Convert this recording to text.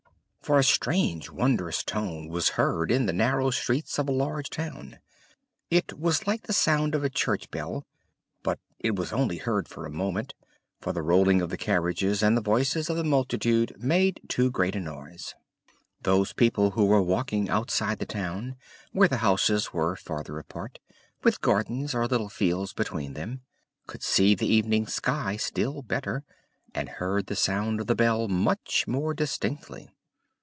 For a strange wondrous tone was heard in the narrow streets of a large town. It was like the sound of a church bell: but it was only heard for a moment, for the rolling of the carriages and the voices of the multitude made too great a noise. Those persons who were walking outside the town, where the houses were farther apart, with gardens or little fields between them, could see the evening sky still better, and heard the sound of the bell much more distinctly.